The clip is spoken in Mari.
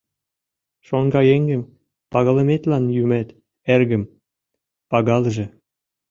Шоҥгыеҥым пагалыметлан юмет, эргым, пагалыже.